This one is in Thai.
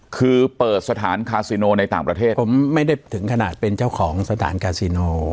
คือเปิดสถานคาซิโนในต่างประเทศผมไม่ได้ถึงขนาดเป็นเจ้าของสถานกาซิโน